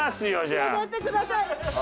連れてってください。